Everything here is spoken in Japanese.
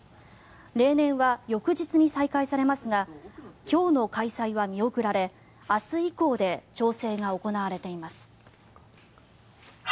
例年は翌日に再開されますが今日の開催は見送られ明日以降で調整が行われています。